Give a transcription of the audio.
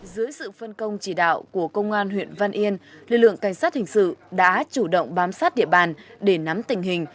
dưới sự phân công chỉ đạo của công an huyện văn yên lực lượng cảnh sát hình sự đã chủ động bám sát địa bàn để nắm tình hình